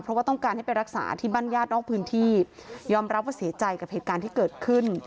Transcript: เพราะว่าต้องการให้ไปรักษาที่บ้านญาตินอกพื้นที่ยอมรับว่าเสียใจกับเหตุการณ์ที่เกิดขึ้น